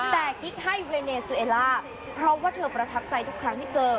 แต่กิ๊กให้เวเนซูเอล่าเพราะว่าเธอประทับใจทุกครั้งที่เจอ